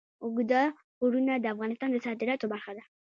اوږده غرونه د افغانستان د صادراتو برخه ده.